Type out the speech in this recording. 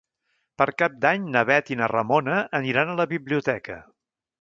Per Cap d'Any na Bet i na Ramona aniran a la biblioteca.